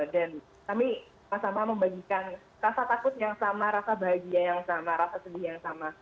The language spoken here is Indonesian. dan kami sama sama membagikan rasa takut yang sama rasa bahagia yang sama rasa sedih yang sama